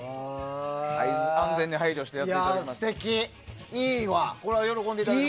安全に配慮してやっていただきました。